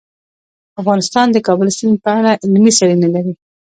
افغانستان د د کابل سیند په اړه علمي څېړنې لري.